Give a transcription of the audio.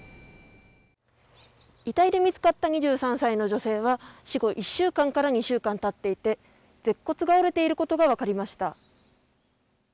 遺体で見つかった２３歳の女性は死後１週間から２週間経っていて舌骨が折れていることが分かりました。